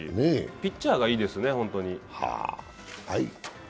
ピッチャーがいいですね、本当に。